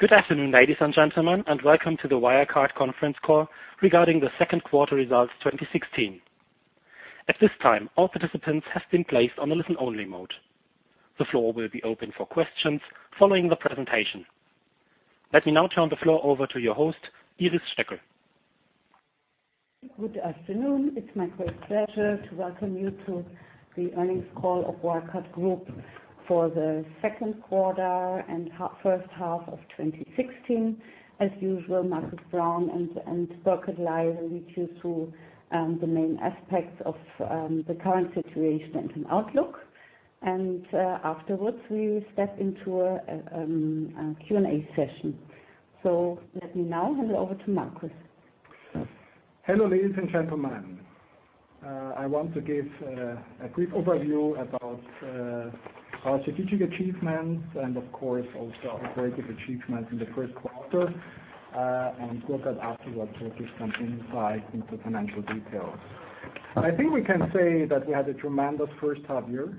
Good afternoon, ladies and gentlemen, welcome to the Wirecard conference call regarding the second quarter results 2016. At this time, all participants have been placed on a listen-only mode. The floor will be open for questions following the presentation. Let me now turn the floor over to your host, Iris Stöckl. Good afternoon. It's my great pleasure to welcome you to the earnings call of Wirecard Group for the second quarter and first half of 2016. As usual, Markus Braun and Burkhard Ley will lead you through the main aspects of the current situation and outlook. Afterwards, we will step into a Q&A session. Let me now hand over to Markus. Hello, ladies and gentlemen. I want to give a brief overview about our strategic achievements and of course, also our creative achievements in the first quarter. Burkhard afterwards will give some insight into financial details. I think we can say that we had a tremendous first half year.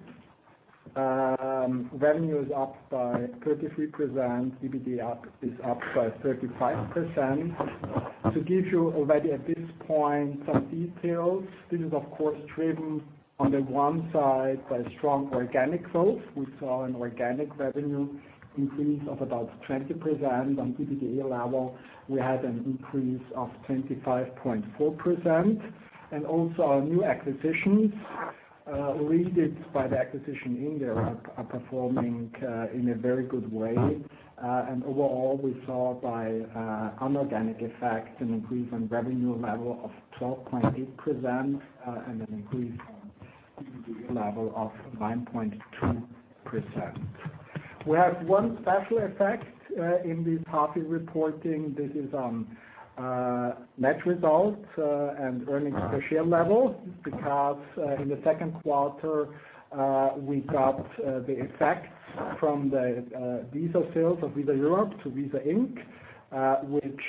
Revenue is up by 33%, EBITDA is up by 35%. To give you already at this point some details, this is, of course, driven on the one side by strong organic growth. We saw an organic revenue increase of about 20%. On EBITDA level, we had an increase of 25.4%. Also our new acquisitions, leaded by the acquisition in there, are performing in a very good way. Overall, we saw by unorganic effect an increase in revenue level of 12.8% and an increase on EBITDA level of 9.2%. We have one special effect in the profit reporting. This is on net results and earnings per share level, because in the second quarter, we got the effect from the Visa sales of Visa Europe to Visa Inc., which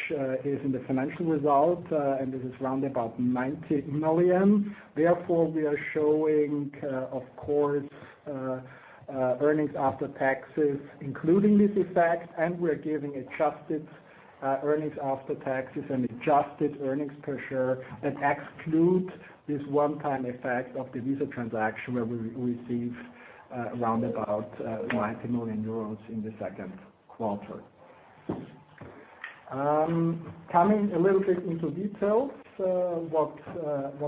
is in the financial result. This is around about 90 million. Therefore, we are showing, of course, earnings after taxes, including this effect. We're giving adjusted earnings after taxes and adjusted earnings per share that exclude this one-time effect of the Visa transaction where we received around about 90 million euros in the second quarter. Coming a little bit into details, what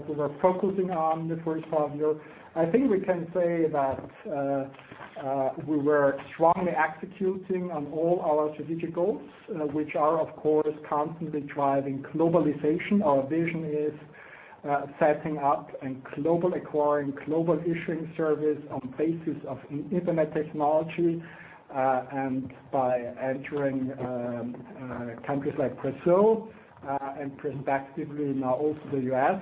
we were focusing on the first half year, I think we can say that we were strongly executing on all our strategic goals, which are, of course, constantly driving globalization. Our vision is setting up and acquiring global issuing service on basis of internet technology. By entering countries like Brazil, and perspectively now also the U.S.,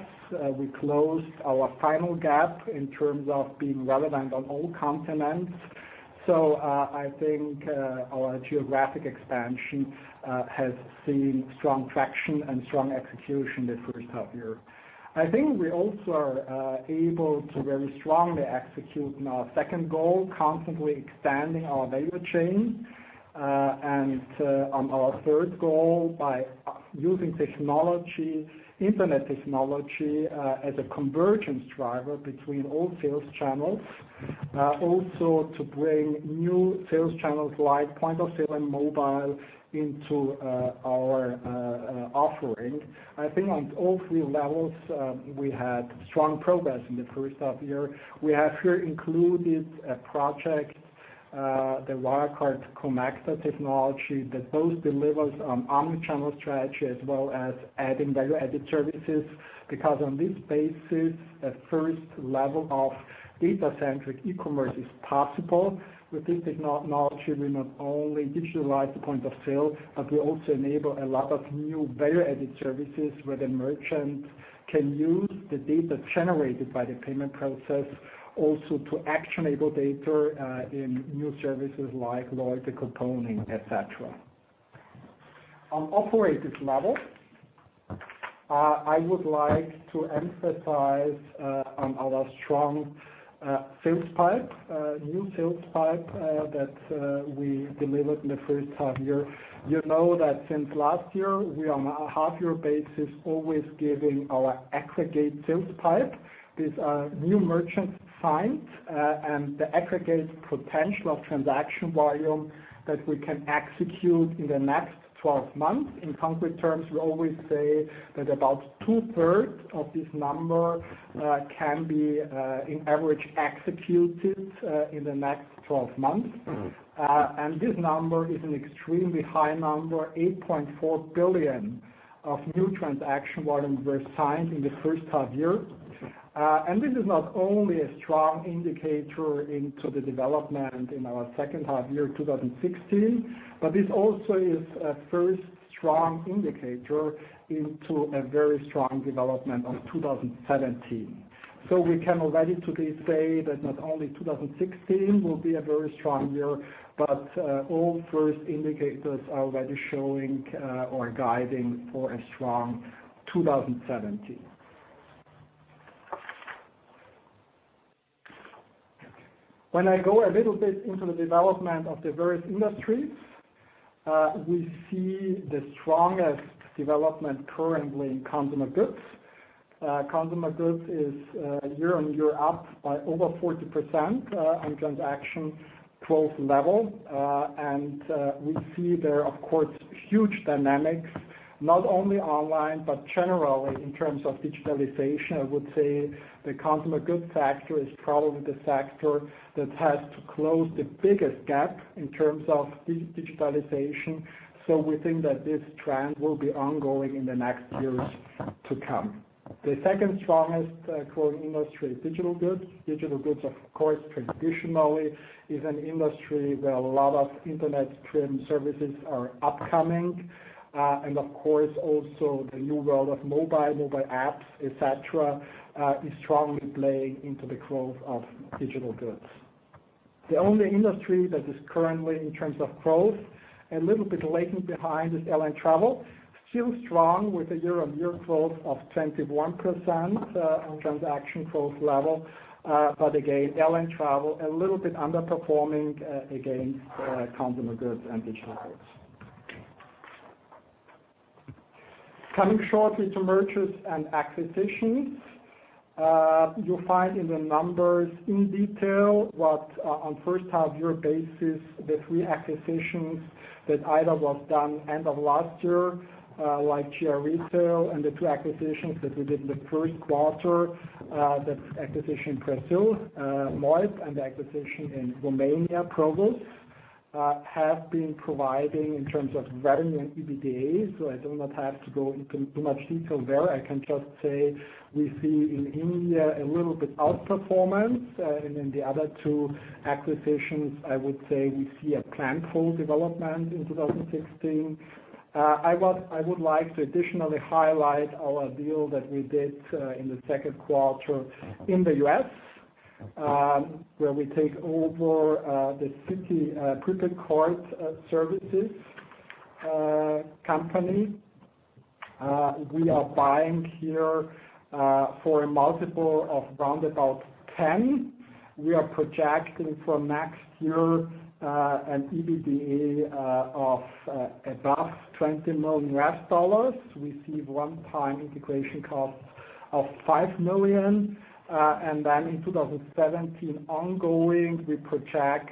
we closed our final gap in terms of being relevant on all continents. I think our geographic expansion has seen strong traction and strong execution the first half year. I think we also are able to very strongly execute on our second goal, constantly expanding our value chain. On our third goal by using technology, internet technology, as a convergence driver between all sales channels. Also to bring new sales channels like point of sale and mobile into our offering. I think on all three levels, we had strong progress in the first half year. We have here included a project, the Wirecard Comexa technology, that both delivers on omni-channel strategy as well as adding value-added services. Because on this basis, a first level of data-centric e-commerce is possible. With this technology, we not only digitalize the point of sale, but we also enable a lot of new value-added services where the merchant can use the data generated by the payment process also to actionable data in new services like loyalty component, et cetera. On operators level, I would like to emphasize on our strong sales pipe, new sales pipe, that we delivered in the first half year. You know that since last year, we on a half year basis always giving our aggregate sales pipe. These are new merchant signs and the aggregate potential of transaction volume that we can execute in the next 12 months. In concrete terms, we always say that about two-thirds of this number can be, in average, executed in the next 12 months. This number is an extremely high number, 8.4 billion of new transaction volumes were signed in the first half year. This is not only a strong indicator into the development in our second half year 2016, but this also is a very strong indicator into a very strong development of 2017. We can already today say that not only 2016 will be a very strong year, but all first indicators are already showing or guiding for a strong 2017. When I go a little bit into the development of the various industries, we see the strongest development currently in consumer goods. Consumer goods is year-on-year up by over 40% on transaction growth level. We see there, of course, huge dynamics, not only online, but generally in terms of digitalization. I would say the consumer goods sector is probably the sector that has to close the biggest gap in terms of digitalization. We think that this trend will be ongoing in the next years to come. The second strongest growth industry, digital goods. Digital goods, of course, traditionally is an industry where a lot of internet-driven services are upcoming. Of course, also the new world of mobile apps, et cetera, is strongly playing into the growth of digital goods. The only industry that is currently, in terms of growth, a little bit lagging behind is airline travel. Still strong with a year-on-year growth of 21% on transaction growth level. Again, airline travel, a little bit underperforming against consumer goods and digital goods. Coming shortly to mergers and acquisitions. You'll find in the numbers in detail what on first half year basis, the three acquisitions that either was done end of last year, like GI Retail and the two acquisitions that we did in the first quarter, that's acquisition Brazil, Moip, and the acquisition in Romania, Provus, have been providing in terms of value and EBITDA. I do not have to go into too much detail there. I can just say we see in India a little bit outperformance. In the other two acquisitions, I would say we see a plan-full development in 2016. I would like to additionally highlight our deal that we did in the second quarter in the U.S., where we take over the Citi Prepaid Card Services company. We are buying here for a multiple of round about 10. We are projecting for next year an EBITDA of above $20 million. We see one-time integration costs of $5 million. Then in 2017 ongoing, we project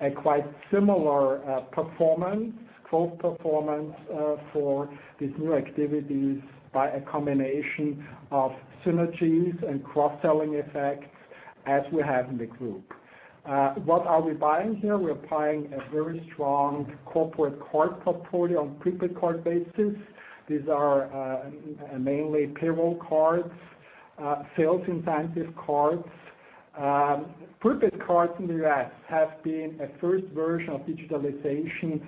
a quite similar performance, growth performance, for these new activities by a combination of synergies and cross-selling effects as we have in the group. What are we buying here? We're applying a very strong corporate card portfolio on prepaid card basis. These are mainly payroll cards, sales incentive cards. Prepaid cards in the U.S. have been a first version of digitalization,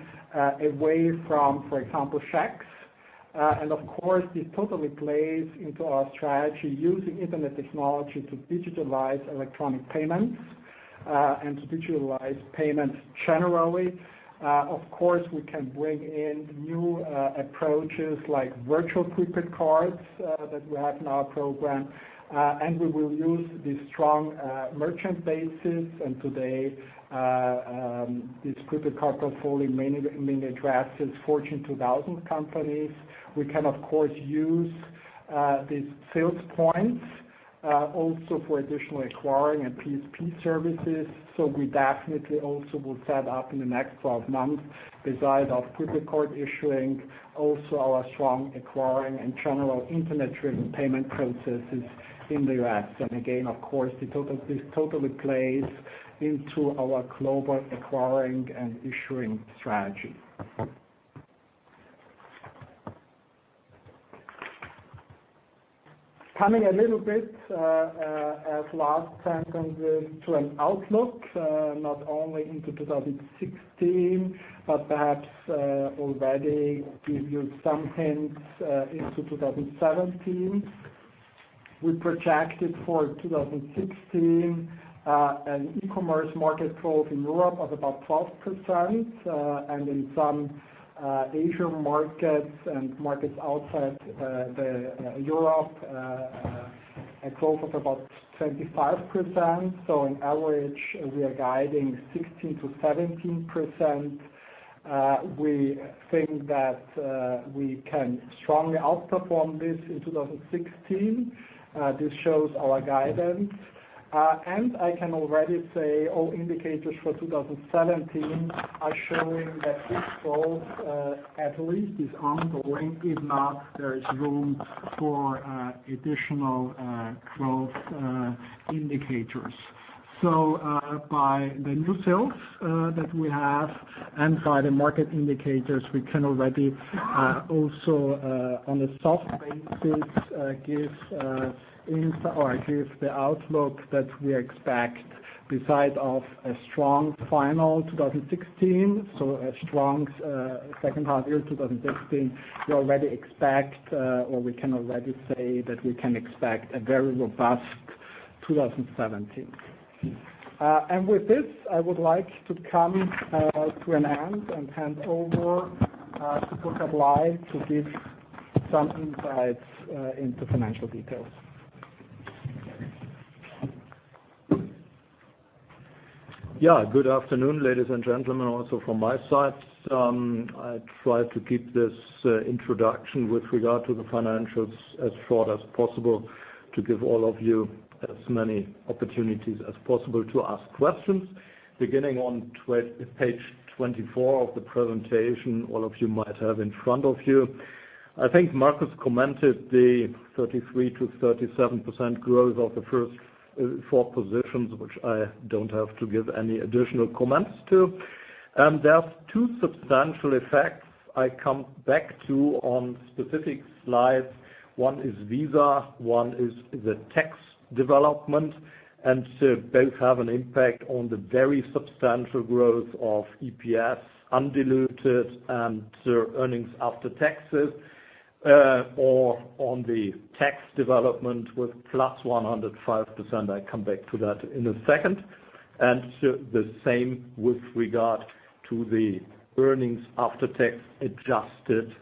away from, for example, checks. Of course, this totally plays into our strategy using internet technology to digitalize electronic payments, and to digitalize payments generally. Of course, we can bring in new approaches like virtual prepaid cards that we have in our program. We will use this strong merchant basis. Today, this prepaid card portfolio mainly addresses Forbes Global 2000 companies. We can, of course, use these sales points, also for additional acquiring and PSP services. We definitely also will set up in the next 12 months, beside our prepaid card issuing, also our strong acquiring and general internet-driven payment processes in the U.S. Again, of course, this totally plays into our global acquiring and issuing strategy. Coming a little bit, as last time, to an outlook, not only into 2016, but perhaps already give you some hints into 2017. We projected for 2016 an e-commerce market growth in Europe of about 12%, and in some Asia markets and markets outside Europe, a growth of about 25%. On average, we are guiding 16%-17%. We think that we can strongly outperform this in 2016. This shows our guidance. I can already say all indicators for 2017 are showing that this growth at least is ongoing, if not there is room for additional growth indicators. By the new sales that we have, and by the market indicators, we can already also, on a soft basis, give the outlook that we expect beside of a strong final 2016, so a strong second half year 2016. We already expect, or we can already say that we can expect a very robust 2017. With this, I would like to come to an end and hand over to Burkhard Ley to give some insights into financial details. Good afternoon, ladies and gentlemen. Also from my side, I try to keep this introduction with regard to the financials as short as possible to give all of you as many opportunities as possible to ask questions. Beginning on page 24 of the presentation all of you might have in front of you. I think Markus commented the 33%-37% growth of the first four positions, which I don't have to give any additional comments to. There are two substantial effects I come back to on specific slides. One is Visa, one is the tax development. Both have an impact on the very substantial growth of EPS undiluted and earnings after taxes, or on the tax development with +105%. I come back to that in a second. The same with regard to the earnings after tax adjusted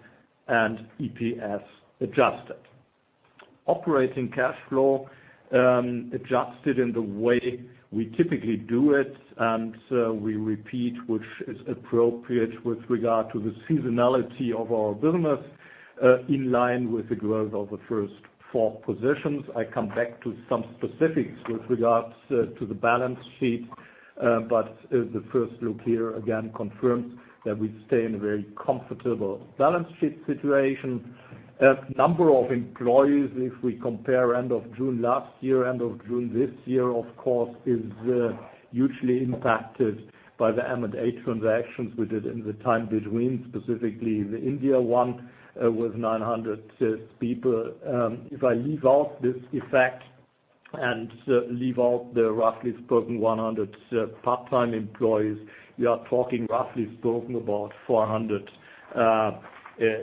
and EPS adjusted. Operating cash flow, adjusted in the way we typically do it. We repeat, which is appropriate with regard to the seasonality of our business, in line with the growth of the first four positions. I come back to some specifics with regards to the balance sheet. The first look here again confirms that we stay in a very comfortable balance sheet situation. Number of employees, if we compare end of June last year, end of June this year, of course, is hugely impacted by the M&A transactions we did in the time between, specifically the India one with 900 people. If I leave out this effect and leave out the roughly spoken 100 part-time employees, we are talking roughly speaking about 400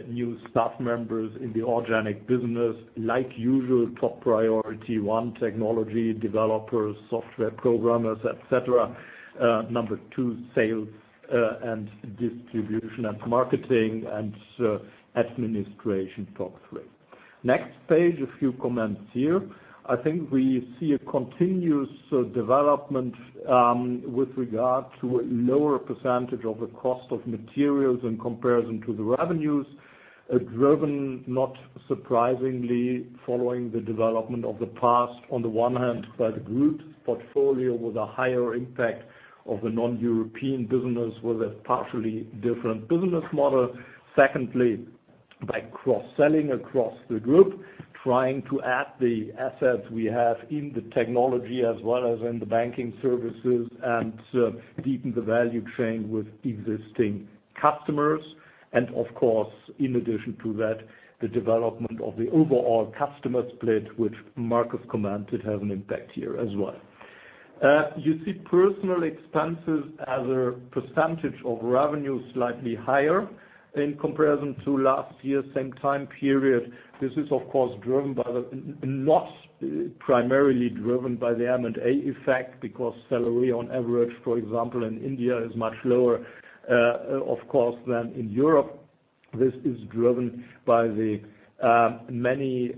new staff members in the organic business. Like usual, top priority one, technology developers, software programmers, et cetera. Number two, sales and distribution and marketing and administration, top three. Next page, a few comments here. I think we see a continuous development with regard to a lower percentage of the cost of materials in comparison to the revenues. Driven, not surprisingly, following the development of the past, on the one hand, by the group portfolio with a higher impact of the non-European business with a partially different business model. Secondly, by cross-selling across the group, trying to add the assets we have in the technology as well as in the banking services and deepen the value chain with existing customers. Of course, in addition to that, the development of the overall customer split, which Markus commented, have an impact here as well. You see personal expenses as a percentage of revenue slightly higher in comparison to last year's same time period. This is of course not primarily driven by the M&A effect because salary on average, for example, in India is much lower, of course, than in Europe. This is driven by the many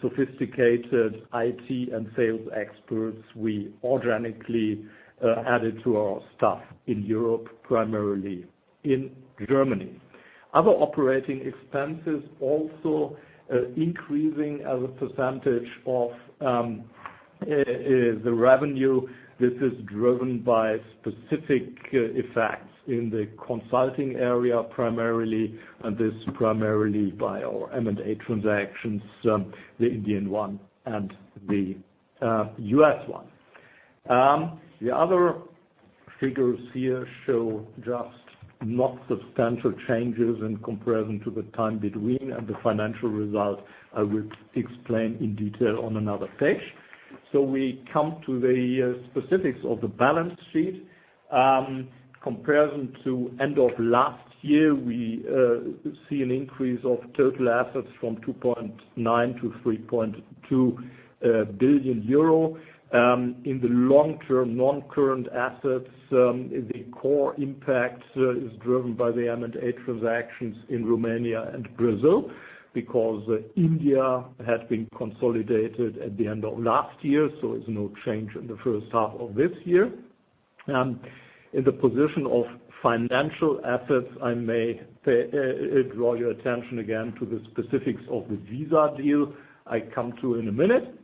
sophisticated IT and sales experts we organically added to our staff in Europe, primarily in Germany. Other operating expenses also increasing as a percentage of the revenue. This is driven by specific effects in the consulting area primarily, and this primarily by our M&A transactions, the Indian one and the U.S. one. The other figures here show just not substantial changes in comparison to the time between and the financial result I will explain in detail on another page. We come to the specifics of the balance sheet. Comparison to end of last year, we see an increase of total assets from 2.9 billion to 3.2 billion euro. In the long term, non-current assets, the core impact is driven by the M&A transactions in Romania and Brazil because India had been consolidated at the end of last year, there's no change in the first half of this year. In the position of financial assets, I may draw your attention again to the specifics of the Visa deal I come to in a minute.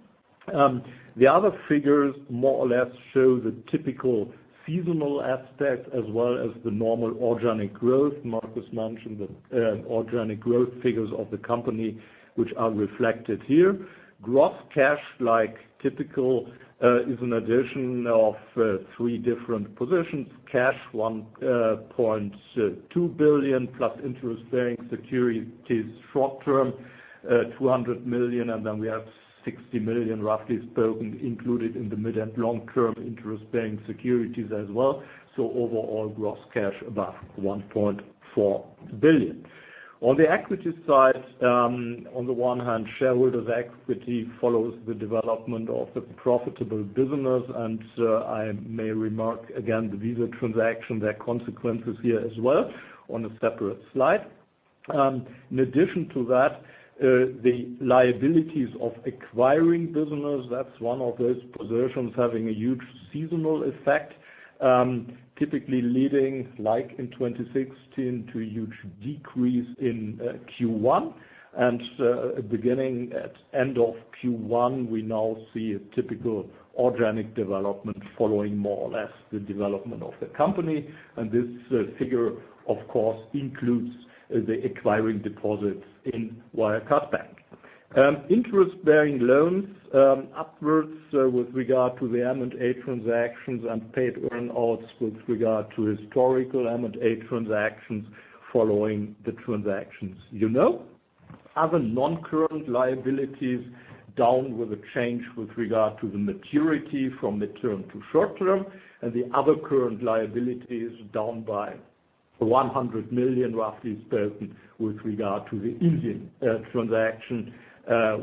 The other figures more or less show the typical seasonal aspect as well as the normal organic growth. Markus mentioned the organic growth figures of the company, which are reflected here. Gross cash, like typical, is an addition of three different positions. Cash, 1.2 billion plus interest-bearing securities short-term, 200 million, and then we have 60 million, roughly spoken, included in the mid and long-term interest-bearing securities as well. Overall, gross cash above 1.4 billion. On the equity side, on the one hand, shareholders' equity follows the development of the profitable business, I may remark again the Visa transaction, their consequences here as well on a separate slide. In addition to that, the liabilities of acquiring business, that's one of those positions having a huge seasonal effect, typically leading, like in 2016, to a huge decrease in Q1. Beginning at end of Q1, we now see a typical organic development following more or less the development of the company. This figure, of course, includes the acquiring deposits in Wirecard Bank. Interest-bearing loans upwards with regard to the M&A transactions and paid earn-outs with regard to historical M&A transactions following the transactions. You know other non-current liabilities down with a change with regard to the maturity from midterm to short-term, the other current liabilities down by 100 million, roughly spoken, with regard to the Indian transaction,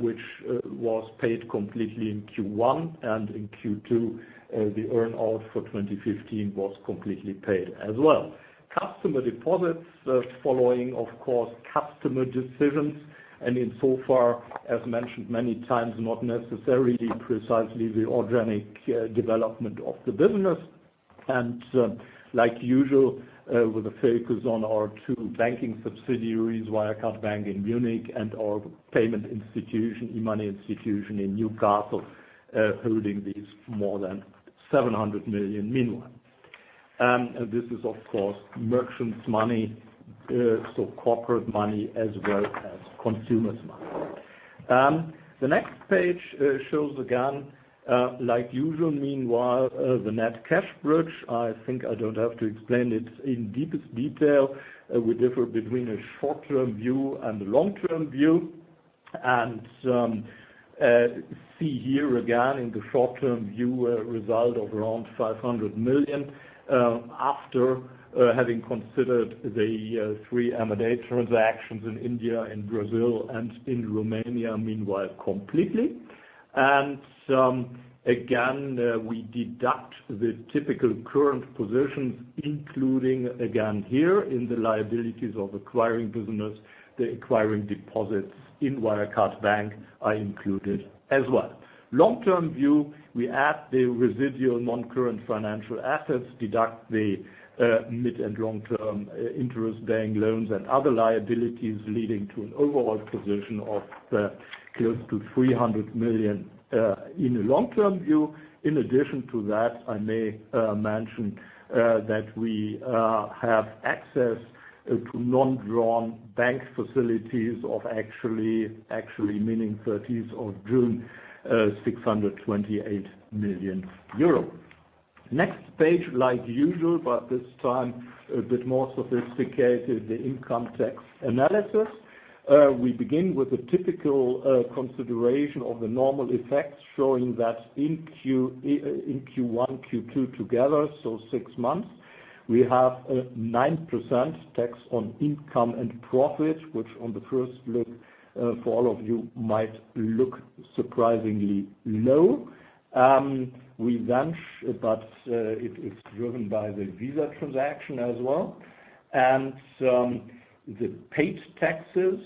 which was paid completely in Q1 and in Q2. The earn-out for 2015 was completely paid as well. Customer deposits following, of course, customer decisions, and insofar as mentioned many times, not necessarily precisely the organic development of the business. Like usual, with a focus on our two banking subsidiaries, Wirecard Bank in Munich and our payment institution, eMoney Institution in Newcastle, holding these more than 700 million meanwhile. This is, of course, merchants' money, so corporate money as well as consumers' money. The next page shows again, like usual, meanwhile, the net cash bridge. I think I don't have to explain it in deepest detail. We differ between a short-term view and a long-term view. See here again in the short-term view, a result of around 500 million after having considered the three M&A transactions in India, in Brazil, and in Romania, meanwhile, completely. Again, we deduct the typical current positions, including again here in the liabilities of acquiring business. The acquiring deposits in Wirecard Bank are included as well. Long-term view, we add the residual non-current financial assets, deduct the mid and long-term interest-bearing loans and other liabilities, leading to an overall position of close to 300 million in a long-term view. In addition to that, I may mention that we have access to non-drawn bank facilities of actually, meaning 30th of June, 628 million euros. Next page, like usual, but this time a bit more sophisticated, the income tax analysis. We begin with a typical consideration of the normal effects showing that in Q1, Q2 together, so 6 months, we have 9% tax on income and profit, which on the first look for all of you might look surprisingly low. It's driven by the Visa transaction as well. The paid taxes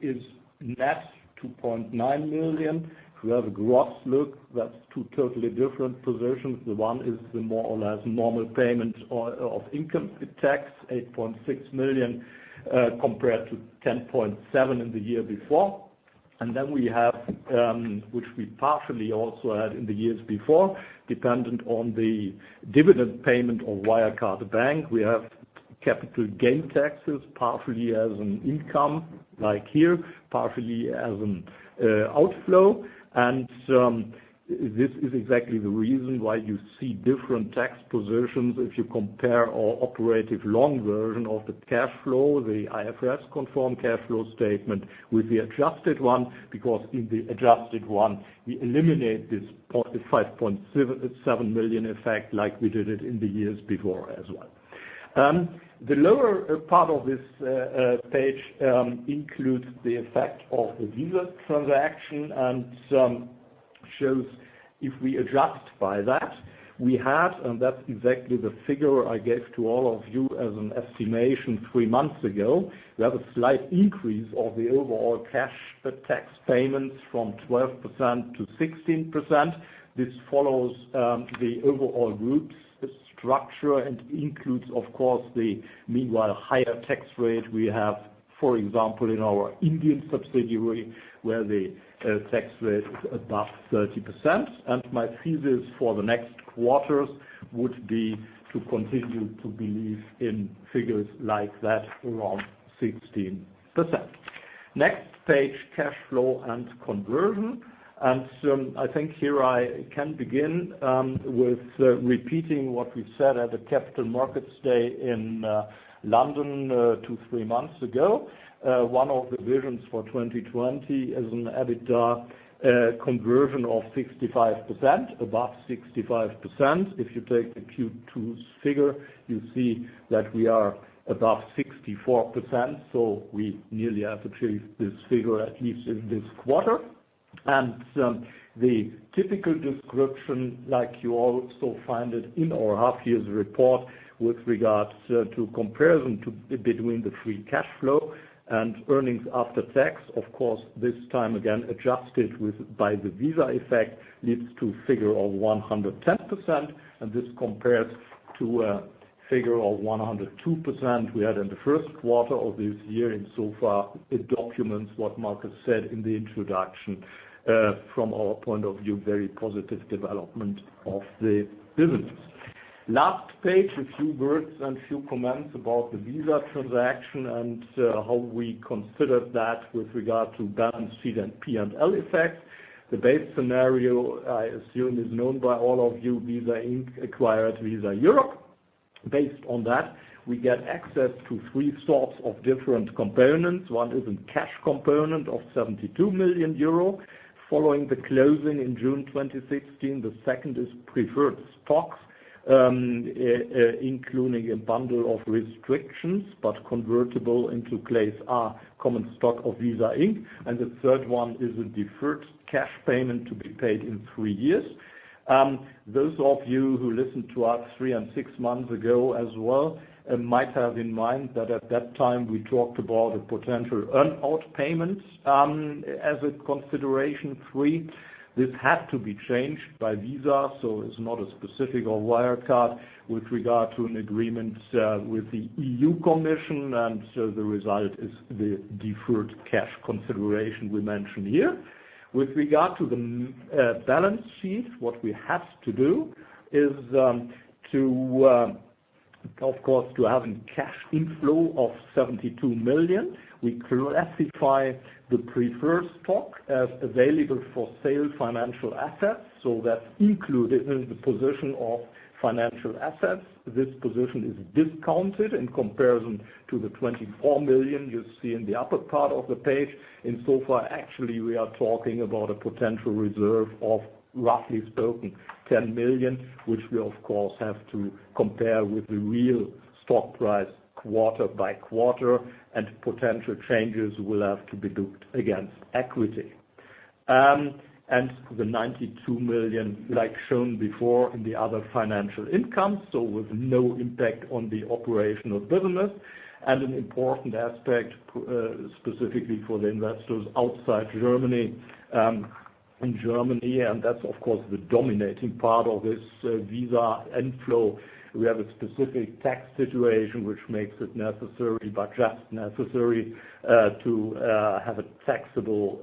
is net 2.9 million. We have a gross look that's two totally different positions. The one is the more or less normal payment of income tax, 8.6 million compared to 10.7 million in the year before. We have, which we partially also had in the years before, dependent on the dividend payment of Wirecard Bank. We have capital gain taxes partially as an income, like here, partially as an outflow. This is exactly the reason why you see different tax positions if you compare our operative long version of the cash flow, the IFRS-conformed cash flow statement with the adjusted one, because in the adjusted one, we eliminate this 5.7 million effect like we did it in the years before as well. The lower part of this page includes the effect of the Visa transaction and shows if we adjust by that. We had, and that's exactly the figure I gave to all of you as an estimation 3 months ago. We have a slight increase of the overall cash tax payments from 12%-16%. This follows the overall group structure and includes, of course, the meanwhile higher tax rate we have, for example, in our Indian subsidiary, where the tax rate is above 30%. My thesis for the next quarters would be to continue to believe in figures like that around 16%. Next page, cash flow and conversion. I think here I can begin with repeating what we've said at the Capital Markets Day in London two, three months ago. One of the visions for 2020 is an EBITDA conversion of 65%, above 65%. If you take the Q2 figure, you see that we are above 64%, so we nearly have achieved this figure, at least in this quarter. The typical description like you also find it in our half year's report with regards to comparison between the free cash flow and earnings after tax. Of course, this time again, adjusted by the Visa effect leads to a figure of 110%, and this compares to a figure of 102% we had in the first quarter of this year. So far it documents what Markus said in the introduction, from our point of view, very positive development of the business. Last page, a few words and few comments about the Visa transaction and how we considered that with regard to balance sheet and P&L effects. The base scenario, I assume is known by all of you, Visa Inc. acquired Visa Europe. Based on that, we get access to 3 sorts of different components. One is a cash component of 72 million euro following the closing in June 2016. The second is preferred stocks, including a bundle of restrictions but convertible into Class A common stock of Visa Inc. The third one is a deferred cash payment to be paid in 3 years. Those of you who listened to us three and six months ago as well, might have in mind that at that time we talked about a potential earn-out payment as a consideration three. This had to be changed by Visa, so it's not a specific of Wirecard with regard to an agreement with the EU Commission. The result is the deferred cash consideration we mention here. With regard to the balance sheet, what we have to do is, of course, to have a cash inflow of 72 million. We classify the preferred stock as available for sale financial assets. That's included in the position of financial assets. This position is discounted in comparison to the 24 million you see in the upper part of the page. In so far, actually, we are talking about a potential reserve of roughly spoken 10 million, which we of course have to compare with the real stock price quarter by quarter, and potential changes will have to be booked against equity. The 92 million, like shown before in the other financial income, so with no impact on the operational business. An important aspect, specifically for the investors outside Germany. In Germany, and that's of course the dominating part of this Visa inflow, we have a specific tax situation which makes it necessary, but just necessary, to have a taxable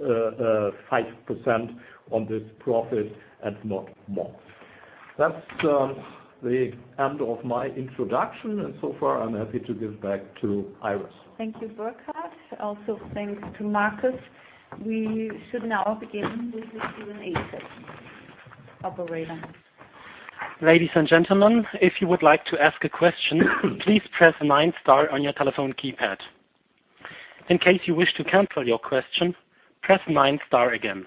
5% on this profit and not more. That's the end of my introduction. I'm happy to give back to Iris. Thank you, Burkhard. Also, thanks to Markus. We should now begin with the Q&A session. Operator. Ladies and gentlemen, if you would like to ask a question, please press nine star on your telephone keypad. In case you wish to cancel your question, press nine star again.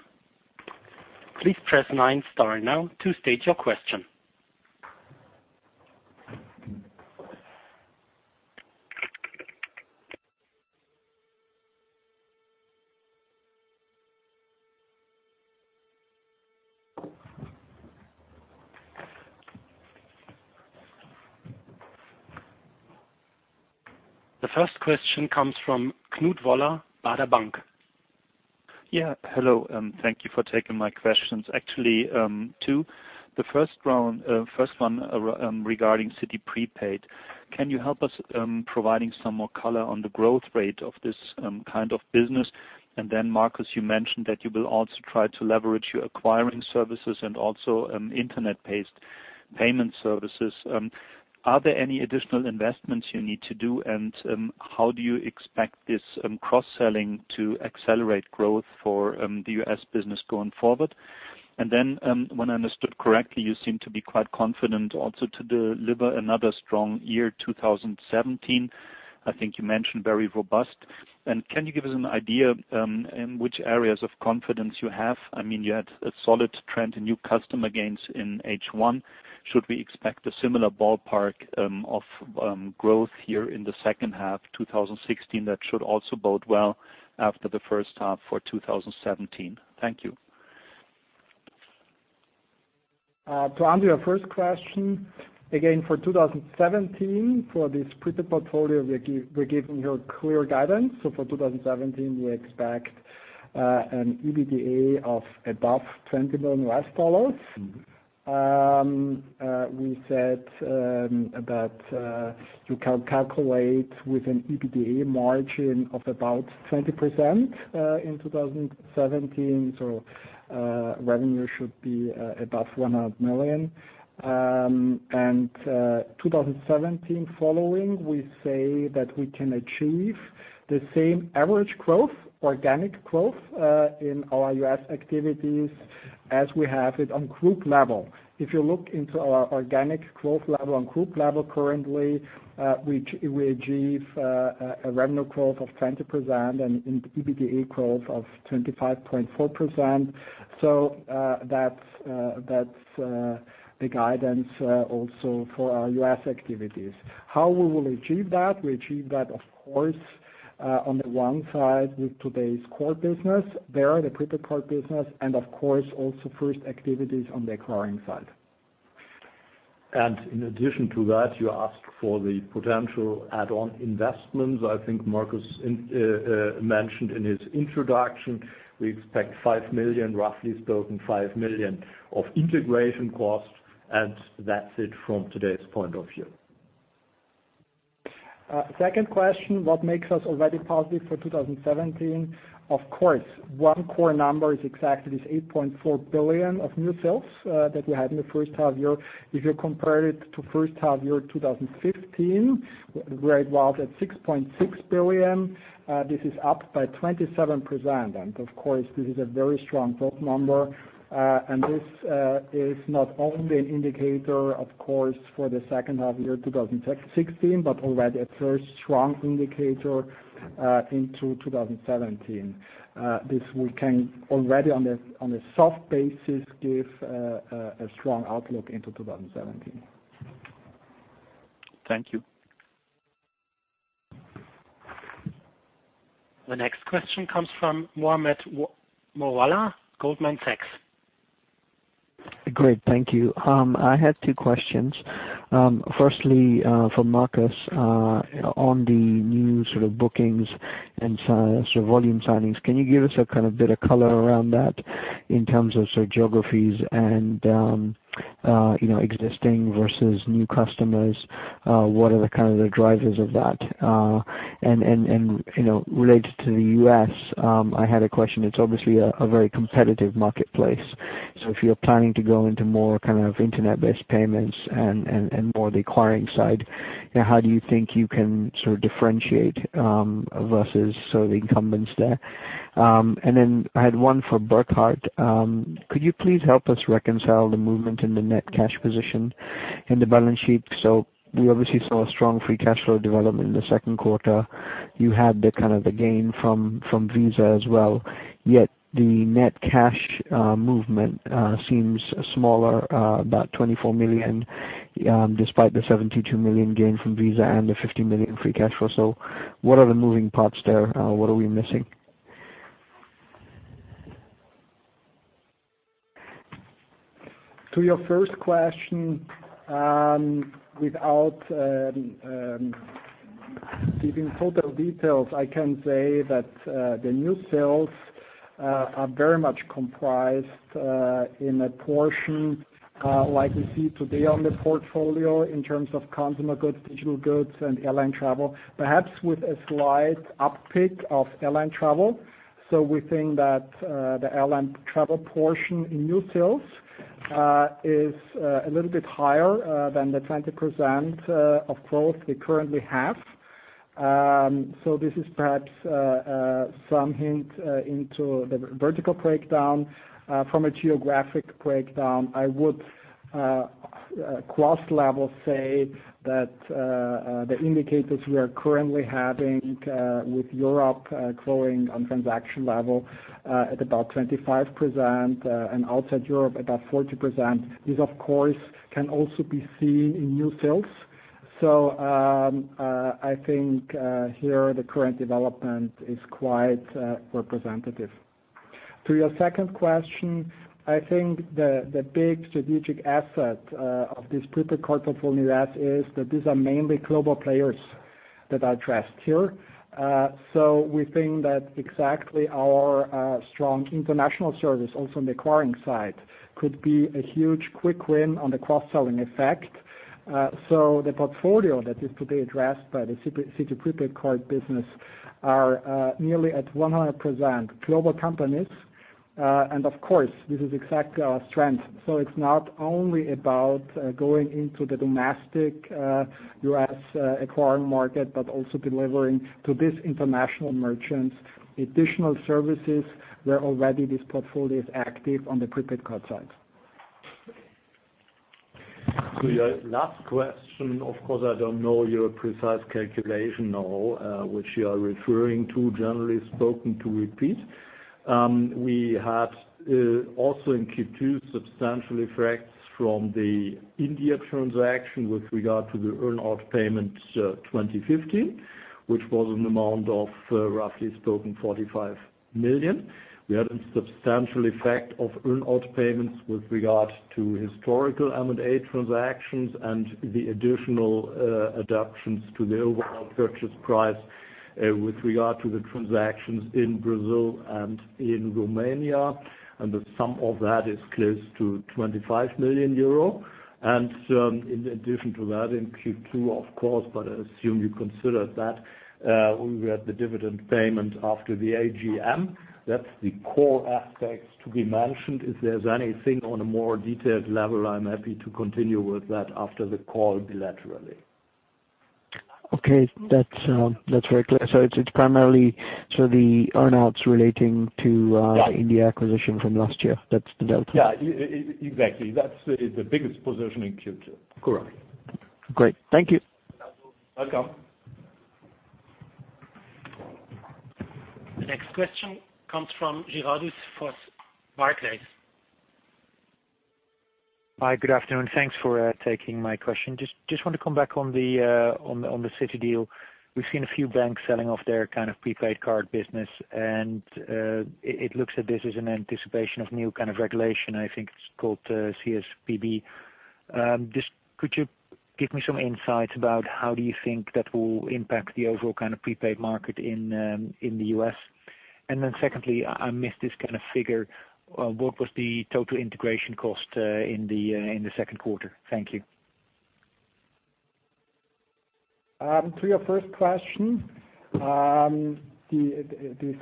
Please press nine star now to state your question. The first question comes from Knut Woller, Baader Bank. Yeah. Hello, and thank you for taking my questions. Actually, two. The first one regarding Citi Prepaid. Can you help us providing some more color on the growth rate of this kind of business? Markus, you mentioned that you will also try to leverage your acquiring services and also internet-based payment services. Are there any additional investments you need to do, and how do you expect this cross-selling to accelerate growth for the U.S. business going forward? When I understood correctly, you seem to be quite confident also to deliver another strong year 2017. I think you mentioned very robust. Can you give us an idea in which areas of confidence you have? You had a solid trend in new customer gains in H1. Should we expect a similar ballpark of growth here in the second half 2016 that should also bode well after the first half for 2017? Thank you. To answer your first question, again for 2017, for this prepaid portfolio, we're giving you a clear guidance. For 2017, we expect an EBITDA of above $20 million. We said that you can calculate with an EBITDA margin of about 20% in 2017. Revenue should be above 100 million. 2017 following, we say that we can achieve the same average growth, organic growth, in our U.S. activities as we have it on group level. If you look into our organic growth level on group level currently, we achieve a revenue growth of 20% and an EBITDA growth of 25.4%. That's the guidance also for our U.S. activities. How we will achieve that? We achieve that, of course, on the one side with today's core business. There are the prepaid card business and of course also first activities on the acquiring side. In addition to that, you asked for the potential add-on investments. I think Markus mentioned in his introduction, we expect roughly speaking 5 million of integration costs, and that's it from today's point of view. Second question, what makes us already positive for 2017? Of course, one core number is exactly this 8.4 billion of new sales that we had in the first half year. If you compare it to first half year 2015, where it was at 6.6 billion, this is up by 27%. Of course, this is a very strong growth number. This is not only an indicator, of course, for the second half year 2016, but already a first strong indicator into 2017. This we can already, on a soft basis, give a strong outlook into 2017. Thank you. The next question comes from Mohammed Moawalla, Goldman Sachs. Great. Thank you. I had two questions. Firstly, for Markus on the new sort of bookings and volume signings, can you give us a kind of bit of color around that in terms of sort of geographies and existing versus new customers? What are the kind of the drivers of that? Related to the U.S., I had a question. It's obviously a very competitive marketplace. If you're planning to go into more internet-based payments and more the acquiring side, how do you think you can sort of differentiate versus sort of the incumbents there? I had one for Burkhard. Could you please help us reconcile the movement in the net cash position in the balance sheet? We obviously saw a strong free cash flow development in the second quarter. You had the kind of the gain from Visa as well, yet the net cash movement seems smaller, about 24 million, despite the 72 million gain from Visa and the 50 million free cash flow. What are the moving parts there? What are we missing? To your first question, without giving total details, I can say that the new sales are very much comprised in a portion like we see today on the portfolio in terms of consumer goods, digital goods, and airline travel, perhaps with a slight uptick of airline travel. We think that the airline travel portion in new sales is a little bit higher than the 20% of growth we currently have. This is perhaps some hint into the vertical breakdown. From a geographic breakdown, I would cross-level say that the indicators we are currently having, with Europe growing on transaction level at about 25% and outside Europe about 40%, this of course can also be seen in new sales. I think here the current development is quite representative. To your second question, I think the big strategic asset of this prepaid card portfolio, that is that these are mainly global players that are addressed here. We think that exactly our strong international service also on the acquiring side could be a huge quick win on the cross-selling effect. The portfolio that is to be addressed by the Citi prepaid card business are nearly at 100% global companies. Of course, this is exactly our strength. It's not only about going into the domestic U.S. acquiring market, but also delivering to these international merchants additional services where already this portfolio is active on the prepaid card side. To your last question, of course, I don't know your precise calculation nor which you are referring to, generally spoken to repeat. We had also in Q2 substantial effects from the India transaction with regard to the earn-out payment 2015, which was an amount of, roughly spoken, 45 million. We had a substantial effect of earn-out payments with regard to historical M&A transactions and the additional adaptations to the overall purchase price with regard to the transactions in Brazil and in Romania, the sum of that is close to 25 million euro. In addition to that, in Q2, of course, but I assume you considered that, we had the dividend payment after the AGM. That's the core aspects to be mentioned. If there's anything on a more detailed level, I'm happy to continue with that after the call bilaterally. Okay. That's very clear. It's primarily the earn-outs relating to- Yeah India acquisition from last year. That's the delta. Yeah, exactly. That's the biggest position in Q2. Correct. Great. Thank you. Welcome. The next question comes from Gerardus Vos, Barclays. Hi. Good afternoon. Thanks for taking my question. I just want to come back on the Citi deal. We've seen a few banks selling off their prepaid card business. It looks that this is an anticipation of new kind of regulation. I think it's called CFPB. Could you give me some insights about how you think that will impact the overall prepaid market in the U.S.? Secondly, I missed this figure, what was the total integration cost in the second quarter? Thank you. To your first question, this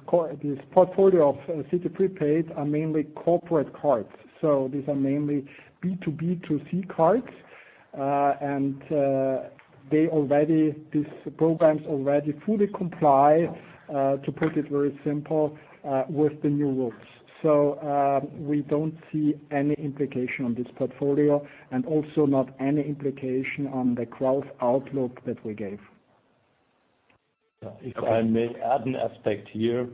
portfolio of Citi Prepaid are mainly corporate cards. These are mainly B2B2C cards. These programs already fully comply, to put it very simple, with the new rules. We don't see any implication on this portfolio, and also not any implication on the growth outlook that we gave. If I may add an aspect here.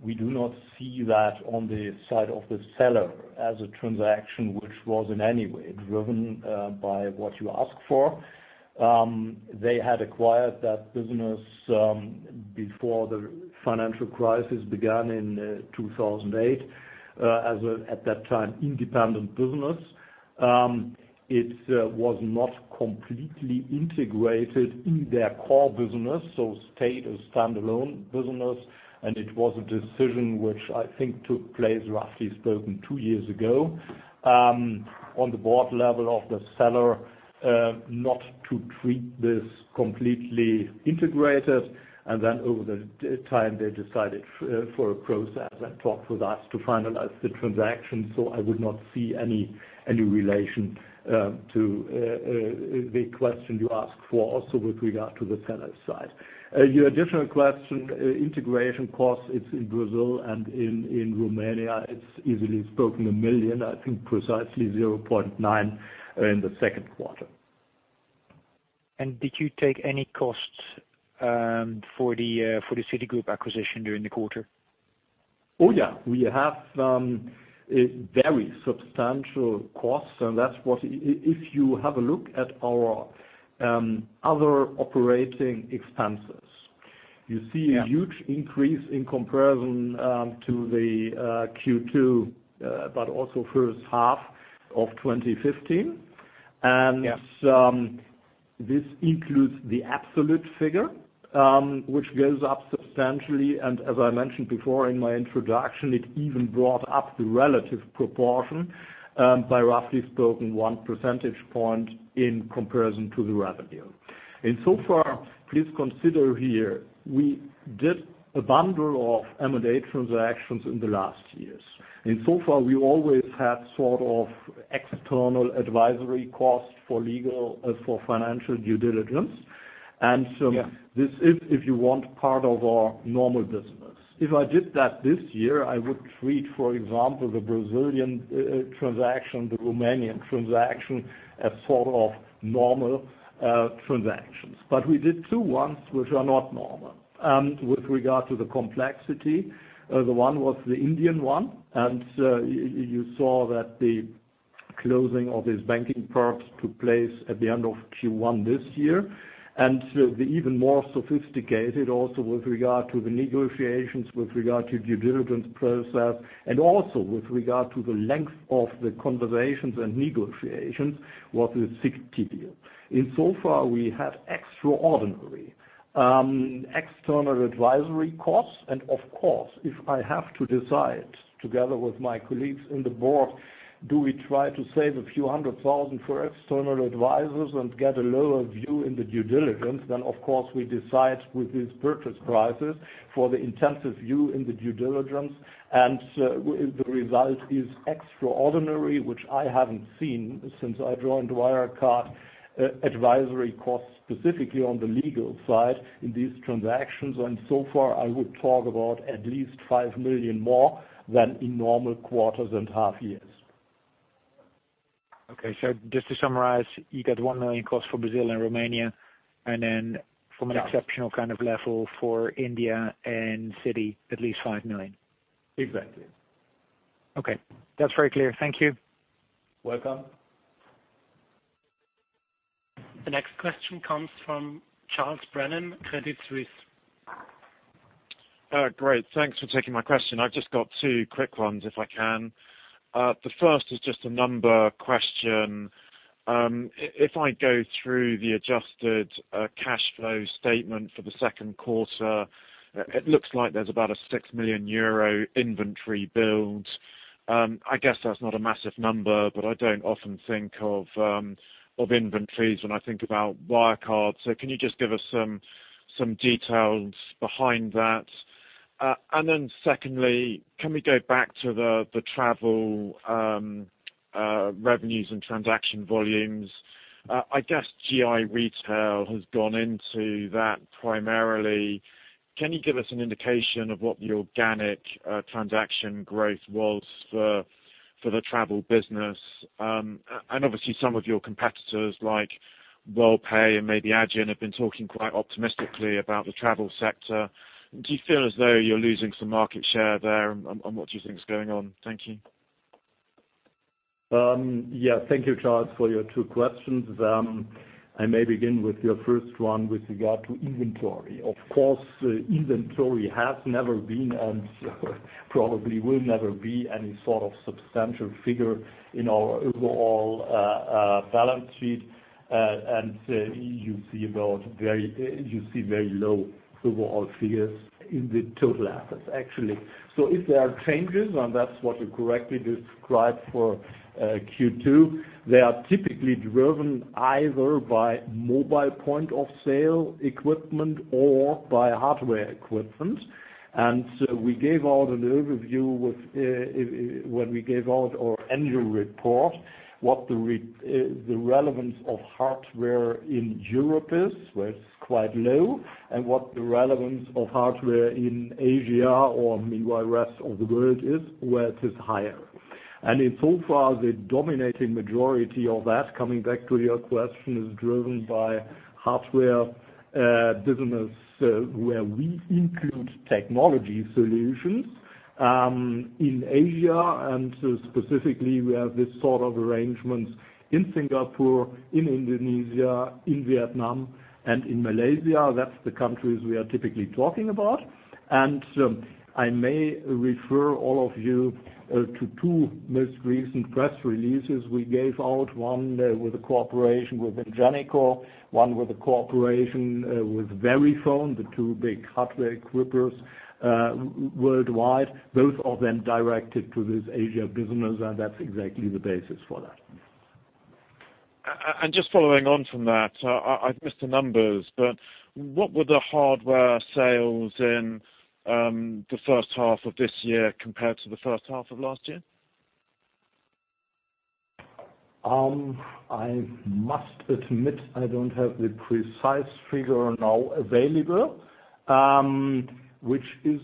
We do not see that on the side of the seller as a transaction which was in any way driven by what you asked for. They had acquired that business before the financial crisis began in 2008, as at that time, independent business. It was not completely integrated in their core business, so stayed a standalone business. It was a decision which I think took place, roughly spoken, two years ago, on the board level of the seller, not to treat this completely integrated. Over the time, they decided for a process and talked with us to finalize the transaction. I would not see any relation to the question you asked for, also with regard to the seller side. Your additional question, integration costs, it's in Brazil and in Romania. It's easily spoken 1 million, I think precisely 0.9 million in the second quarter. Did you take any costs for the Citigroup acquisition during the quarter? Oh, yeah. We have very substantial costs, and if you have a look at our other operating expenses, you see a huge increase in comparison to the Q2, but also first half of 2015. Yes This includes the absolute figure, which goes up substantially, and as I mentioned before in my introduction, it even brought up the relative proportion by, roughly spoken, one percentage point in comparison to the revenue. So far, please consider here, we did a bundle of M&A transactions in the last years. So far, we always had sort of external advisory costs for legal, for financial due diligence. Yeah This is, if you want, part of our normal business. If I did that this year, I would treat, for example, the Brazilian transaction, the Romanian transaction, as sort of normal transactions. We did two ones which are not normal. With regard to the complexity, the one was the Indian one, and you saw that the closing of these banking perks took place at the end of Q1 this year. The even more sophisticated, also with regard to the negotiations, with regard to due diligence process, and also with regard to the length of the conversations and negotiations, was the Citi deal. In so far, we had extraordinary external advisory costs. Of course, if I have to decide together with my colleagues in the board, do we try to save a few hundred thousand for external advisors and get a lower view in the due diligence, then of course, we decide with these purchase prices for the intensive view in the due diligence. The result is extraordinary, which I haven't seen since I joined Wirecard, advisory costs specifically on the legal side in these transactions. So far, I would talk about at least 5 million more than in normal quarters and half years. Okay. Just to summarize, you get 1 million cost for Brazil and Romania, and then from an exceptional kind of level for India and Citi, at least 5 million. Exactly. Okay. That's very clear. Thank you. Welcome. The next question comes from Charles Brennan, Credit Suisse. Great. Thanks for taking my question. I've just got two quick ones if I can. The first is just a number question. If I go through the adjusted cash flow statement for the second quarter, it looks like there's about a 6 million euro inventory build. I guess that's not a massive number, but I don't often think of inventories when I think about Wirecard. Can you just give us some details behind that? Secondly, can we go back to the travel revenues and transaction volumes? I guess GI Retail has gone into that primarily. Can you give us an indication of what the organic transaction growth was for the travel business? Obviously, some of your competitors like Worldpay and maybe Adyen have been talking quite optimistically about the travel sector. Do you feel as though you're losing some market share there, and what do you think is going on? Thank you. Yes. Thank you, Charles, for your two questions. I may begin with your first one with regard to inventory. Of course, inventory has never been and probably will never be any sort of substantial figure in our overall balance sheet. You see very low overall figures in the total assets, actually. If there are changes, and that's what you correctly described for Q2, they are typically driven either by mobile point of sale equipment or by hardware equipment. We gave out an overview when we gave out our annual report, what the relevance of hardware in Europe is, where it's quite low, and what the relevance of hardware in Asia or meanwhile rest of the world is, where it is higher. In so far, the dominating majority of that, coming back to your question, is driven by hardware business, where we include technology solutions, in Asia. Specifically, we have this sort of arrangement in Singapore, in Indonesia, in Vietnam, and in Malaysia. That's the countries we are typically talking about. I may refer all of you to two most recent press releases we gave out, one with a cooperation with Ingenico, one with a cooperation with Verifone, the two big hardware equipers worldwide. Both of them directed to this Asia business, and that's exactly the basis for that. Just following on from that, I've missed the numbers, but what were the hardware sales in the first half of this year compared to the first half of last year? I must admit, I don't have the precise figure now available, which is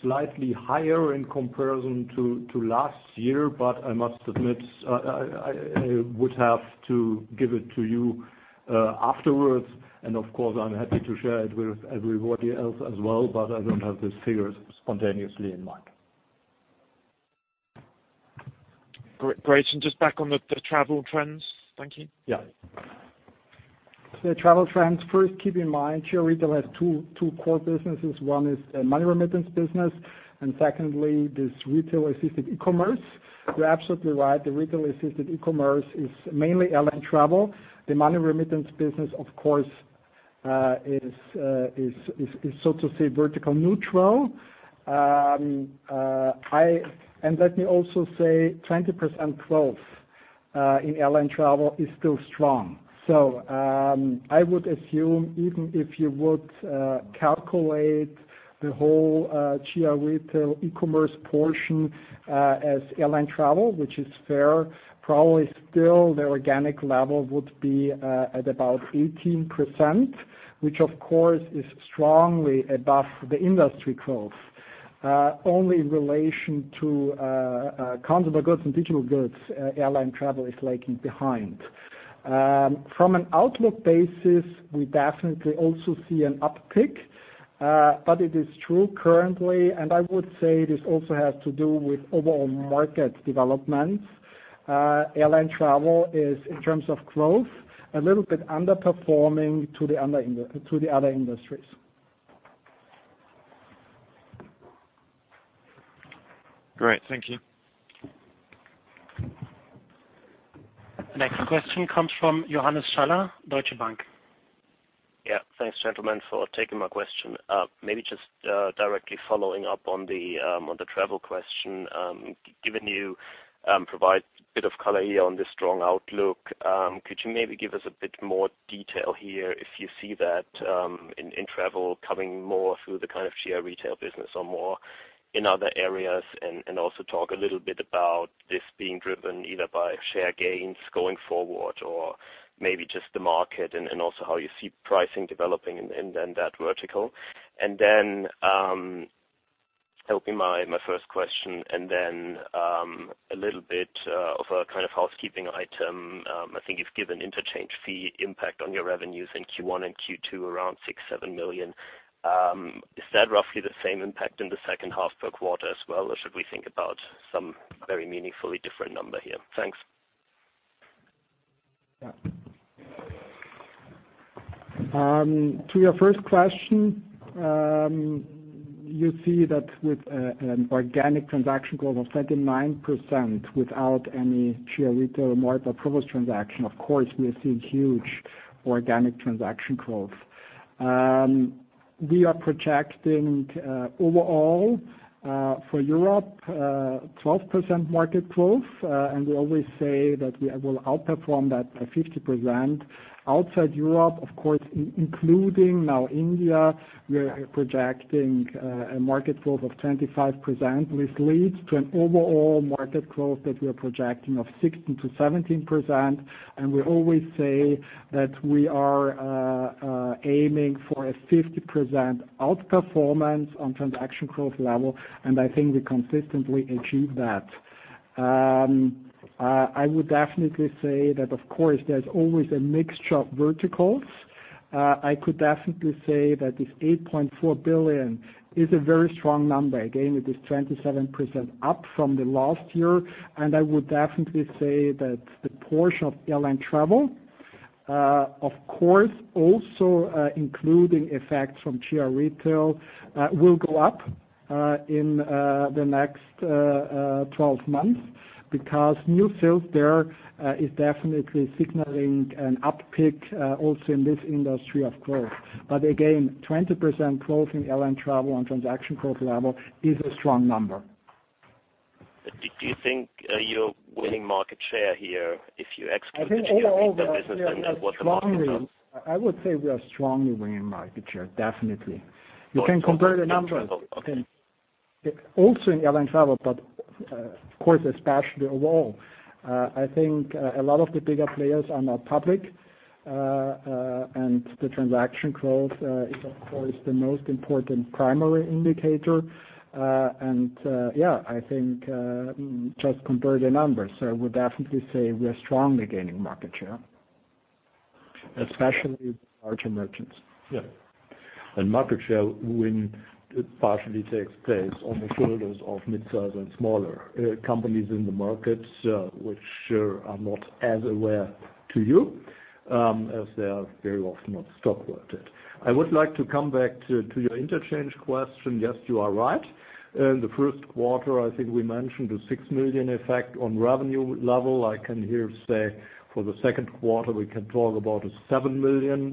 slightly higher in comparison to last year. I must admit, I would have to give it to you afterwards. Of course, I'm happy to share it with everybody else as well, but I don't have the figures spontaneously in mind. Great. Just back on the travel trends. Thank you. Yeah. The travel trends, first, keep in mind, GI Retail has two core businesses. One is money remittance business, and secondly, this retail-assisted e-commerce. You're absolutely right, the retail-assisted e-commerce is mainly airline travel. The money remittance business, of course, is so to say, vertical neutral. Let me also say, 20% growth in airline travel is still strong. I would assume even if you would calculate the whole GI Retail e-commerce portion as airline travel, which is fair, probably still the organic level would be at about 18%, which of course, is strongly above the industry growth. Only in relation to consumer goods and digital goods, airline travel is lagging behind. From an outlook basis, we definitely also see an uptick, but it is true currently, and I would say this also has to do with overall market developments. Airline travel is, in terms of growth, a little bit underperforming to the other industries. Great. Thank you. Next question comes from Johannes Schaller, Deutsche Bank. Thanks, gentlemen, for taking my question. Maybe just directly following up on the travel question. Given you provide a bit of color here on the strong outlook, could you maybe give us a bit more detail here if you see that in travel coming more through the kind of GI Retail business or more in other areas? Also talk a little bit about this being driven either by share gains going forward or maybe just the market, and also how you see pricing developing in that vertical. That will be my first question, and then a little bit of a kind of housekeeping item. I think you've given interchange fee impact on your revenues in Q1 and Q2 around 6, 7 million. Is that roughly the same impact in the second half per quarter as well, or should we think about some very meaningfully different number here? Thanks. To your first question, you see that with an organic transaction growth of 29% without any GI Retail market purpose transaction, of course, we are seeing huge organic transaction growth. We are projecting overall for Europe, 12% market growth. We always say that we will outperform that by 50%. Outside Europe, of course, including now India, we are projecting a market growth of 25%, which leads to an overall market growth that we are projecting of 16%-17%. We always say that we are aiming for a 50% outperformance on transaction growth level. I think we consistently achieve that. I would definitely say that, of course, there's always a mixture of verticals. I could definitely say that this 8.4 billion is a very strong number. Again, it is 27% up from last year. I would definitely say that the portion of airline travel, of course, also including effects from GI Retail, will go up in the next 12 months because new sales there are definitely signaling an uptick also in this industry, of course. Again, 20% growth in airline travel on transaction growth level is a strong number. Do you think you're winning market share here if you exclude? I think overall the business. what the market does. I would say we are strongly winning market share, definitely. You can compare the numbers. Okay. Of course, especially overall. I think a lot of the bigger players are not public. The transaction growth is, of course, the most important primary indicator. I think just compare the numbers. I would definitely say we are strongly gaining market share. Especially with large merchants. Market share win partially takes place on the shoulders of midsize and smaller companies in the markets, which are not as aware to you, as they are very often not stock-worded. I would like to come back to your interchange question. Yes, you are right. In the first quarter, I think we mentioned a 6 million effect on revenue level. I can here say, for the second quarter, we can talk about a 7 million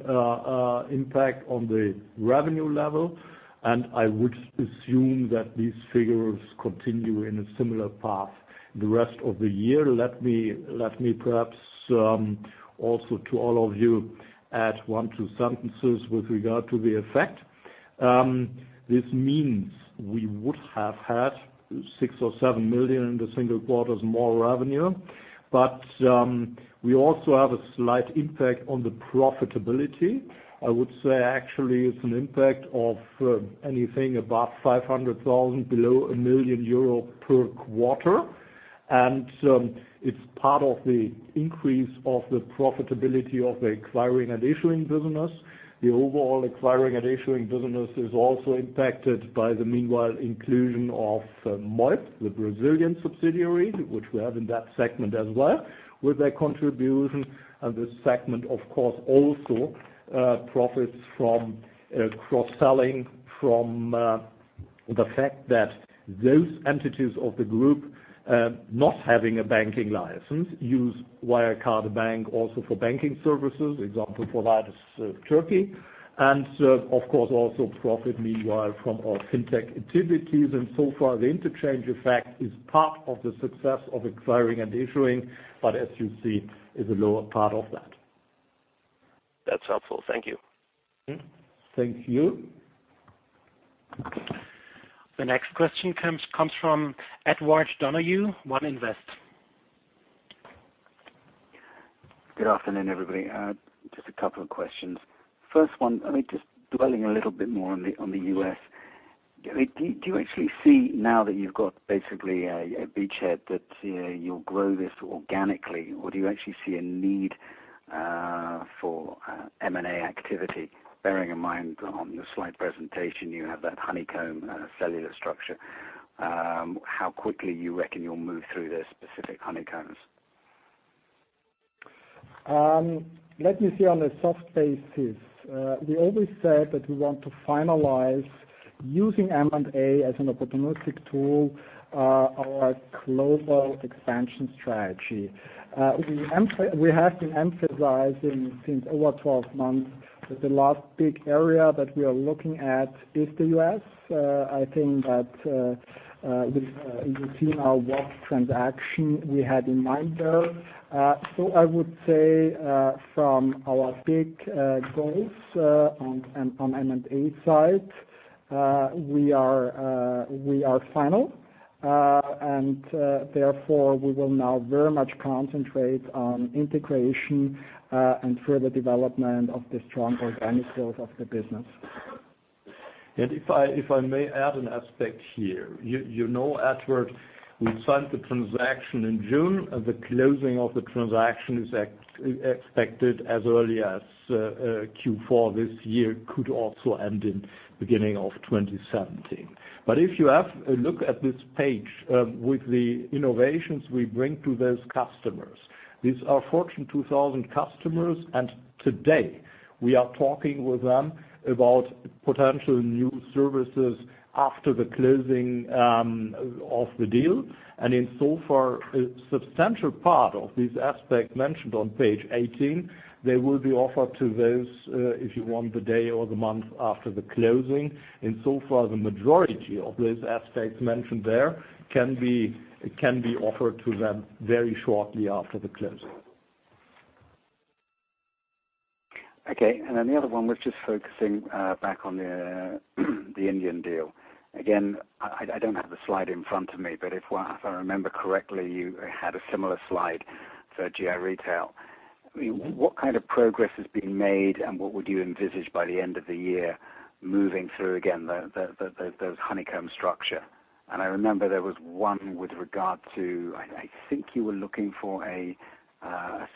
impact on the revenue level. I would assume that these figures continue in a similar path the rest of the year. Let me perhaps, also to all of you, add one, two sentences with regard to the effect. This means we would have had 6 million or 7 million in the single quarter's more revenue. We also have a slight impact on the profitability. I would say, actually, it's an impact of anything above 500,000, below 1 million euro per quarter. It's part of the increase of the profitability of the acquiring and issuing business. The overall acquiring and issuing business is also impacted by the meanwhile inclusion of Moip, the Brazilian subsidiary, which we have in that segment as well, with their contribution. This segment, of course, also profits from cross-selling from the fact that those entities of the group, not having a banking license, use Wirecard Bank also for banking services, example, providers Turkey. Of course, also profit meanwhile from our fintech activities. So far, the interchange effect is part of the success of acquiring and issuing, but as you see, is a lower part of that. That's helpful. Thank you. Thank you. The next question comes from Edward Donahue, One Investments. Good afternoon, everybody. Just a couple of questions. First one, just dwelling a little bit more on the U.S. Do you actually see, now that you've got basically a beachhead, that you'll grow this organically, or do you actually see a need for M&A activity, bearing in mind on the slide presentation you have that honeycomb cellular structure? How quickly you reckon you'll move through those specific honeycombs? Let me say on a soft basis. We always said that we want to finalize using M&A as an opportunistic tool, our global expansion strategy. We have been emphasizing since over 12 months that the last big area that we are looking at is the U.S. I think that, you've seen our Wahed transaction we had in mind there. I would say, from our big goals on M&A side, we are final. Therefore, we will now very much concentrate on integration and further development of the strong organic sales of the business. If I may add an aspect here. You know, Edward, we signed the transaction in June. The closing of the transaction is expected as early as Q4 this year, could also end in beginning of 2017. If you have a look at this page with the innovations we bring to those customers. These are Forbes Global 2000 customers, and today we are talking with them about potential new services after the closing of the deal. Insofar, a substantial part of these aspects mentioned on page 18, they will be offered to those, if you want, the day or the month after the closing. So far, the majority of those aspects mentioned there can be offered to them very shortly after the closing. Okay. The other one was just focusing back on the Indian deal. Again, I don't have the slide in front of me, but if I remember correctly, you had a similar slide for GI Retail. What kind of progress has been made and what would you envisage by the end of the year moving through, again, those honeycomb structure? I remember there was one with regard to, I think you were looking for a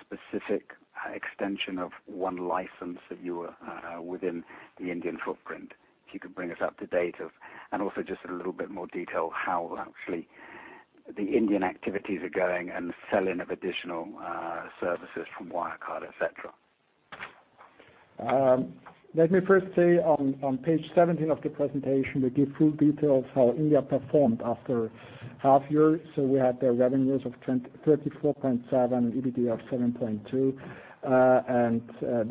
specific extension of one license that you were within the Indian footprint. If you could bring us up to date, and also just a little bit more detail how actually the Indian activities are going and the sell-in of additional services from Wirecard, et cetera. Let me first say on page 17 of the presentation, we give full details how India performed after half year. We had the revenues of 34.7 million, EBITDA of 7.2 million.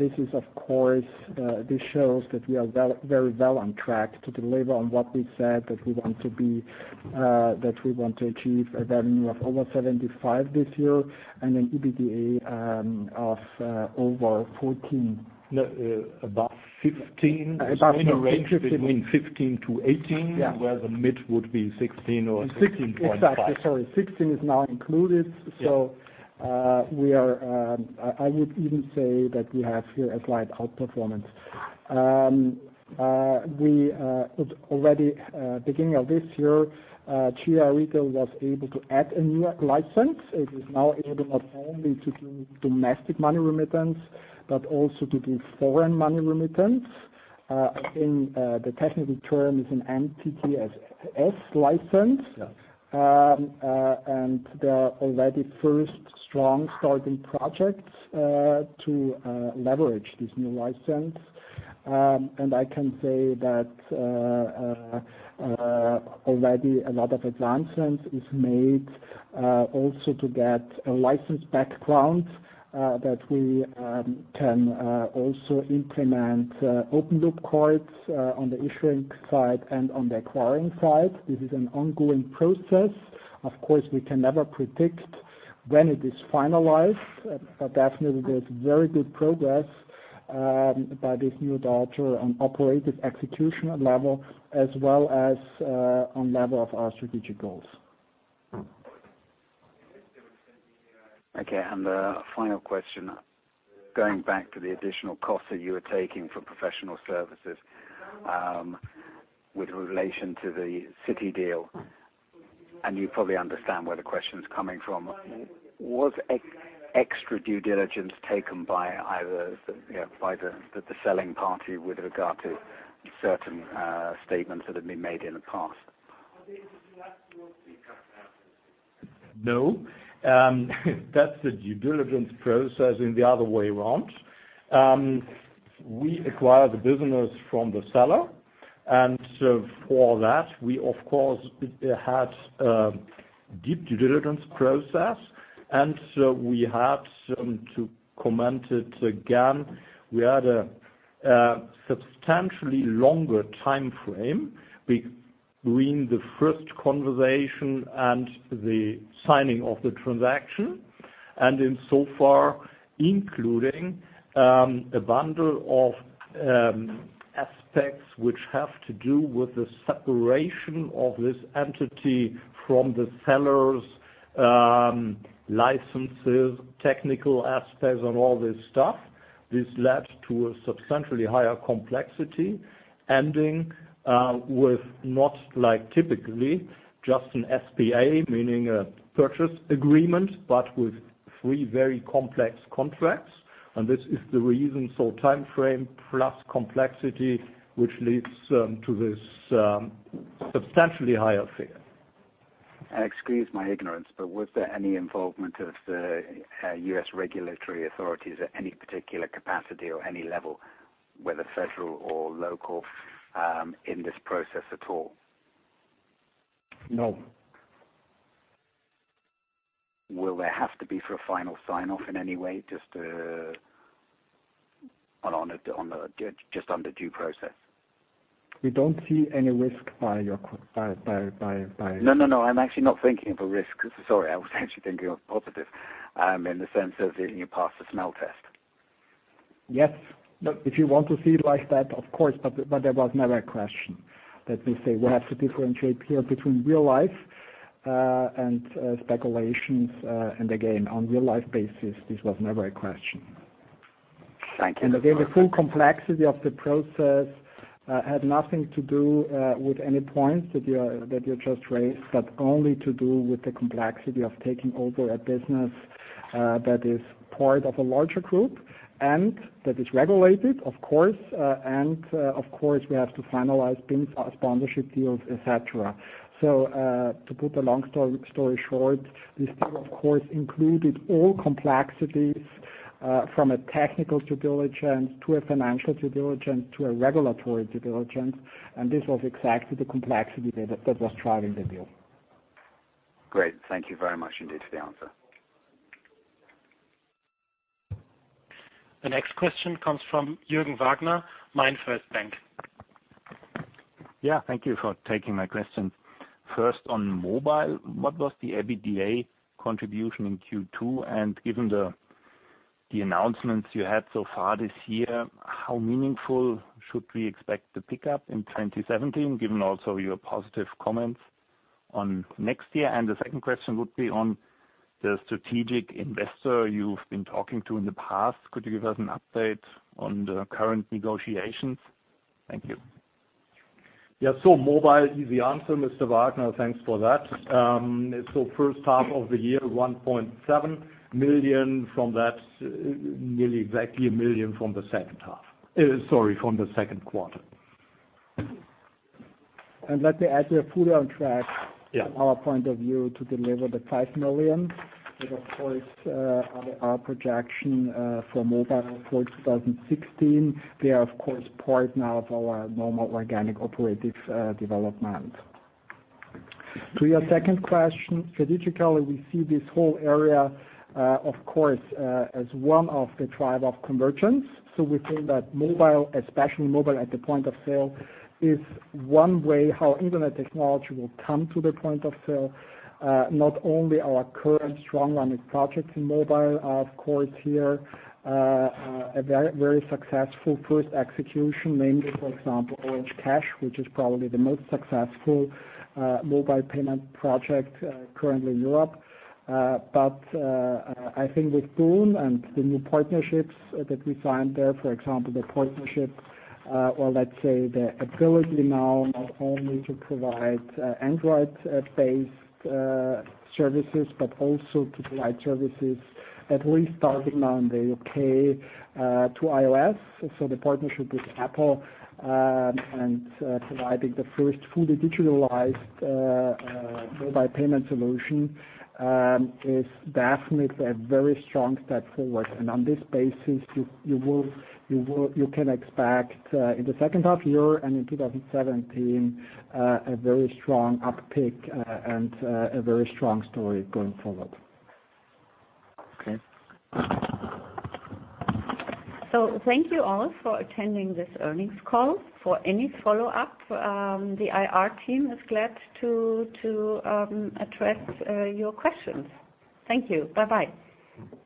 This shows that we are very well on track to deliver on what we said, that we want to achieve a revenue of over 75 million this year, and an EBITDA of over 14 million. No, above 15 million. Above 15. In a range between 15-18. Yeah where the mid would be 16 or 16.5. Exactly. Sorry, 16 is now included. Yeah. I would even say that we have here a slight outperformance. Already beginning of this year, GI Retail was able to add a new license. It is now able not only to do domestic money remittance, but also to do foreign money remittance. I think, the technical term is an MTSS license. Yeah. There are already first strong starting projects to leverage this new license. I can say that already a lot of advancements is made also to get a license background, that we can also implement open-loop cards on the issuing side and on the acquiring side. This is an ongoing process. Of course, we can never predict when it is finalized, but definitely there's very good progress by this new daughter on operative executional level as well as on level of our strategic goals. Okay, a final question. Going back to the additional cost that you were taking for professional services, with relation to the Citi deal, you probably understand where the question's coming from. Was extra due diligence taken by the selling party with regard to certain statements that have been made in the past? No. That's the due diligence process in the other way around. We acquire the business from the seller, for that, we, of course, had a deep due diligence process. We had, to comment it again, we had a substantially longer timeframe between the first conversation and the signing of the transaction. In so far, including a bundle of aspects which have to do with the separation of this entity from the sellers licenses, technical aspects, and all this stuff. This led to a substantially higher complexity, ending with not like typically just an SPA, meaning a purchase agreement, but with three very complex contracts. This is the reason for timeframe plus complexity, which leads to this substantially higher fee. Excuse my ignorance, was there any involvement of the U.S. regulatory authorities at any particular capacity or any level, whether federal or local, in this process at all? No. Will there have to be for a final sign-off in any way, just under due process? We don't see any risk. No, I'm actually not thinking of a risk. Sorry, I was actually thinking of positive, in the sense of did you pass the smell test. Yes. Look, if you want to see it like that, of course, there was never a question. Let me say, we have to differentiate here between real life, and speculations. Again, on real life basis, this was never a question. Thank you. Again, the full complexity of the process had nothing to do with any points that you just raised, but only to do with the complexity of taking over a business that is part of a larger group, and that is regulated, of course. Of course, we have to finalize BINs sponsorship deals, et cetera. To put the long story short, this deal of course included all complexities, from a technical due diligence to a financial due diligence to a regulatory due diligence, and this was exactly the complexity that was driving the deal. Great. Thank you very much indeed for the answer. The next question comes from Jürgen Wagner, MainFirst Bank. Yeah, thank you for taking my question. First on mobile, what was the EBITDA contribution in Q2? Given the announcements you had so far this year, how meaningful should we expect the pickup in 2017, given also your positive comments on next year? The second question would be on the strategic investor you've been talking to in the past. Could you give us an update on the current negotiations? Thank you. Yeah. Mobile, easy answer, Mr. Wagner, thanks for that. First half of the year, 1.7 million from that, nearly exactly 1 million from the second quarter. Let me add, we are fully on track- Yeah From our point of view, to deliver the 5 million. Of course, our projection for mobile for 2016, they are of course part now of our normal organic operating development. To your second question, strategically, we see this whole area, of course, as one of the drive of convergence. We think that mobile, especially mobile at the point of sale, is one way how internet technology will come to the point of sale. Not only our current strong running projects in mobile, of course here, a very successful first execution, namely, for example, Orange Cash, which is probably the most successful mobile payment project currently in Europe. I think with boon. and the new partnerships that we signed there, for example, the partnership or let's say the ability now not only to provide Android-based services, but also to provide services at least starting now in the U.K., to iOS. The partnership with Apple, and providing the first fully digitalized mobile payment solution, is definitely a very strong step forward. On this basis, you can expect in the second half year and in 2017, a very strong uptick and a very strong story going forward. Okay. Thank you all for attending this earnings call. For any follow-up, the IR team is glad to address your questions. Thank you. Bye-bye. Okay.